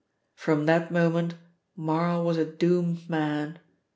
"From that moment Marl was a doomed man.